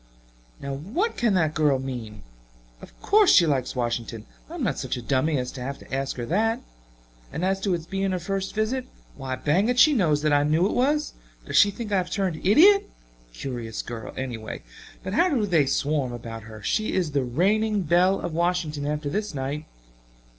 "Now what can the girl mean? Of course she likes Washington I'm not such a dummy as to have to ask her that. And as to its being her first visit, why bang it, she knows that I knew it was. Does she think I have turned idiot? Curious girl, anyway. But how they do swarm about her! She is the reigning belle of Washington after this night.